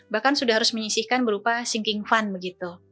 bahkan sudah harus menyisihkan berupa sinking fund